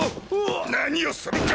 何をするか！